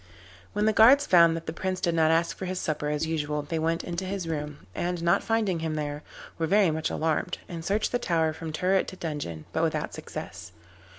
When the guards found that the Prince did not ask for his supper as usual, they went into his room, and not finding him there, were very much alarmed, and searched the tower from turret to dungeon, but without success.